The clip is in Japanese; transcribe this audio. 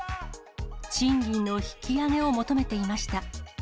賃金の引き上げを求めていました。